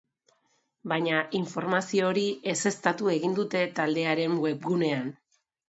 Baina, informazio hori ezeztatu egin dute taldearen webgunean.